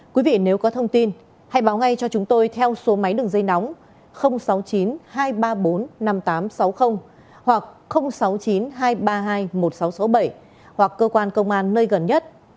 quý vị nếu có thông tin hãy báo ngay cho chúng tôi theo số máy đường dây nóng sáu mươi chín hai trăm ba mươi bốn năm nghìn tám trăm sáu mươi hoặc sáu mươi chín hai trăm ba mươi hai một nghìn sáu trăm sáu mươi bảy hoặc cơ quan công an nơi gần nhất